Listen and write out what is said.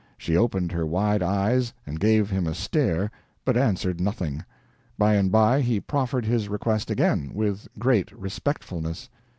She opened her wide eyes and gave him a stare, but answered nothing. By and by he proferred his request again, with great respectfulness.